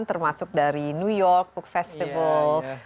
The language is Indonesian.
termasuk dari new york book festival